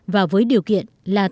và với điều kiện là tự nguyện